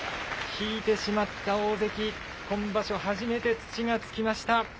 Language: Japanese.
引いてしまった大関、今場所初めて土がつきました。